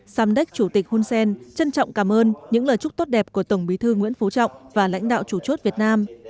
samdek chủ tịch hun sen trân trọng cảm ơn những lời chúc tốt đẹp của tổng bí thư nguyễn phú trọng và lãnh đạo chủ chốt việt nam